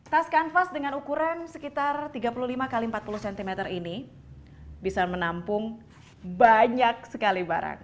tas kanvas dengan ukuran sekitar tiga puluh lima x empat puluh cm ini bisa menampung banyak sekali barang